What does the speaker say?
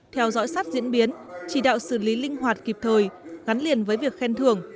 theo dõi sát diễn biến chỉ đạo xử lý linh hoạt kịp thời gắn liền với việc khen thưởng